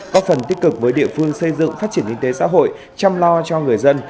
có phần tích cực với địa phương xây dựng phát triển kinh tế xã hội chăm lo cho người dân